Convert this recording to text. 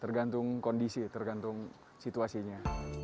tergantung kondisi tergantung situasinya